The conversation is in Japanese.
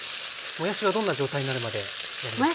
もやしはどんな状態になるまで焼きますか？